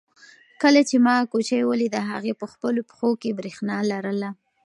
کله چې ما کوچۍ ولیده هغې په خپلو پښو کې برېښنا لرله.